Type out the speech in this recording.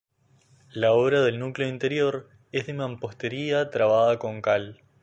La obra del núcleo interior es de mampostería trabada con cal.